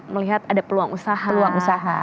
melihat ada peluang usaha